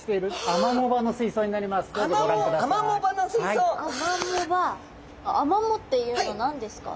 アマモっていうのは何ですか？